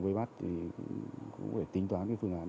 với mắt cũng phải tính toán phương án